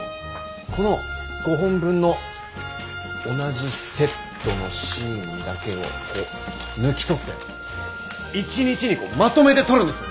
この５本分の同じセットのシーンだけをこう抜き取って一日にまとめて撮るんですよ。